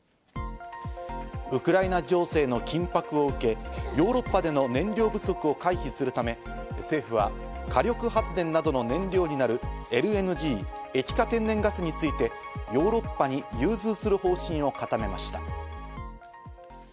ウクライナ情勢の緊迫を受け、ヨーロッパでの燃料不足を回避するため、政府は火力発電などの燃料になるＬＮＧ＝液化天然ガスについて、ヨーロッパに融通する方針を固めました。